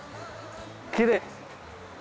きれい。